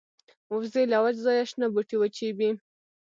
وزې له وچ ځایه شنه بوټي وچيبي